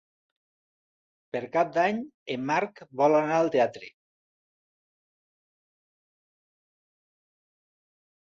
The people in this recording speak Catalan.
Per Cap d'Any en Marc vol anar al teatre.